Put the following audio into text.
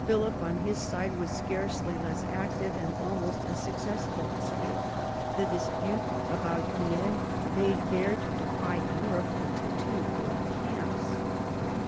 Philip on his side was scarcely less active, and almost as successful. The dispute about Guienne bade fair to divide Europe into tAvo great camps.